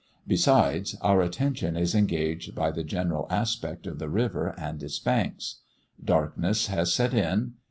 Besides our attention is engaged by the general aspect of the river and its banks. Darkness has set in.